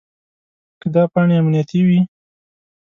که دا پاڼې امنیتي وي.